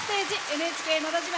「ＮＨＫのど自慢」